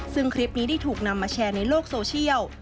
ซึ่งคลิปนี้ได้ถูกนำมาแชร์ในโลกโซเชียล